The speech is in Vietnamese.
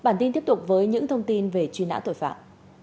bản tin tiếp tục với những thông tin về truy nã tội phạm